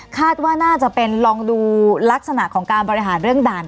คาดว่าน่าจะเป็นลองดูลักษณะของการบริหารเรื่องด่าน